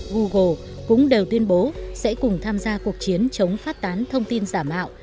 google cũng đều tuyên bố sẽ cùng tham gia cuộc chiến chống phát tán thông tin giả mạo